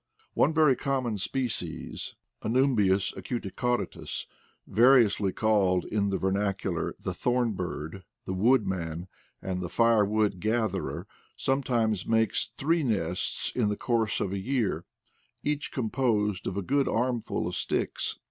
One very common species, Anum bius acuticaudatus, variously called in the ver nacular the thorn bird, the woodman, and the fire wood gatherer, sometimes makes three nests in the course of a year, each composed of a good armful of sticks.